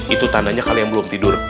itu tandanya kalian belum tidur